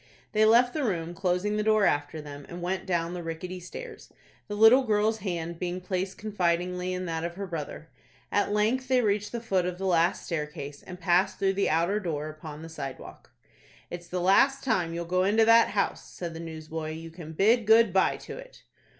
They left the room, closing the door after them, and went down the rickety stairs, the little girl's hand being placed confidingly in that of her brother. At length they reached the foot of the last staircase, and passed through the outer door upon the sidewalk. "It's the last time you'll go into that house," said the newsboy. "You can bid good by to it."